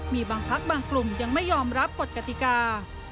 มีบางพักบางกลุ่มยังไม่ยอมรับกฎกติกา